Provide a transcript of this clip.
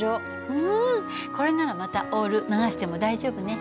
うんこれならまたオール流しても大丈夫ね。